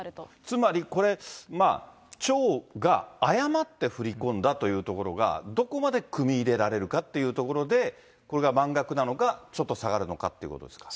つまりこれ、町が誤って振り込んだというところが、どこまで組み入れられるかというところで、これが満額なのか、ちょっと下がるのかってところですか。